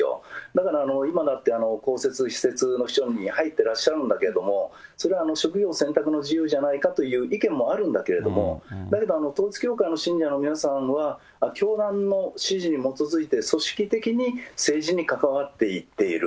だから今だって公設、私設の秘書に入ってらっしゃるんだけども、それは職業選択の自由じゃないかという意見もあるんだけども、であれば、統一教会の信者の皆さんは、教団の指示に基づいて組織的に政治に関わっていっている。